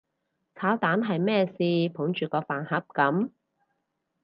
炒蛋係咩事捧住個飯盒噉？